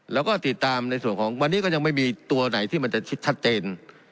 แล้วก็ติดตามในส่วนของวันนี้ก็ยังไม่มีตัวไหนที่มันจะชัดเจน